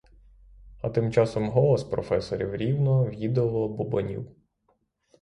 А тим часом голос професорів рівно, в'їдливо бубонів.